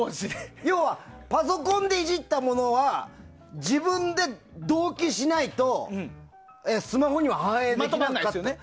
要は、パソコンでいじったものは自分で同期しないとスマホには反映できないですよね。